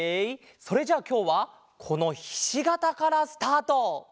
それじゃあきょうはこのひしがたからスタート！